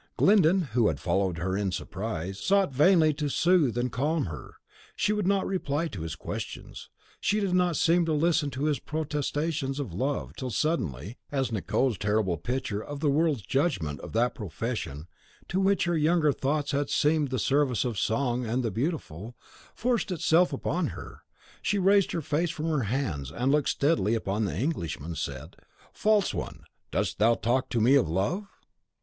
Glyndon, who had followed her in surprise, vainly sought to soothe and calm her. She would not reply to his questions; she did not seem to listen to his protestations of love, till suddenly, as Nicot's terrible picture of the world's judgment of that profession which to her younger thoughts had seemed the service of Song and the Beautiful, forced itself upon her, she raised her face from her hands, and, looking steadily upon the Englishman, said, "False one, dost thou talk of me of love?"